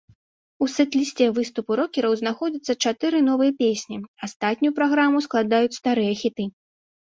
У сэт-лісце выступу рокераў знаходзіцца чатыры новыя песні, астатнюю праграму складаюць старыя хіты.